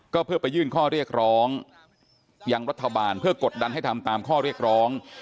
ก็เพื่อไปยื่นข้อเรียกร้องยังรัฐบาลเพื่อกดดันให้ทำตามข้อเรียกร้อง